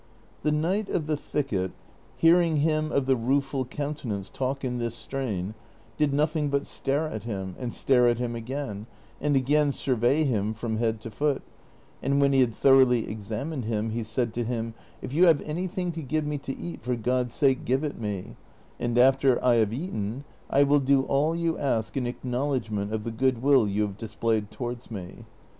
The Knight of the Thicket, hearing him of the Rueful Countenance talk in this strain, did nothing but stare at him, and stare at him again, and again survey him fi'om head to foot ; and when he had thoroughly examined him, he said to him, " If you have anything to give me to eat, for God's sake give it me, and after I have eaten I will do all you ask in acknowledgment of the good will you have displayed towards me."